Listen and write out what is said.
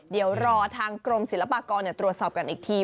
เดี๋ยวรอทางกรมศิลปากรตรวจสอบกันอีกที